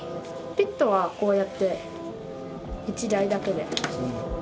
ピットはこうやって１台だけで入れるんで。